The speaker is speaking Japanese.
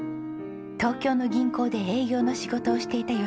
東京の銀行で営業の仕事をしていた吉美さん。